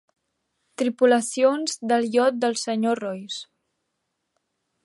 Tripulacions del iot del senyor Royce.